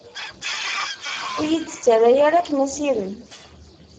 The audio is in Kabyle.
Ur yi-d-ttarra ara akken asirem.